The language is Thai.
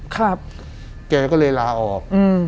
แกก็เลยลาออก